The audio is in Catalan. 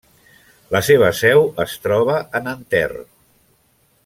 La seva seu es troba a Nanterre.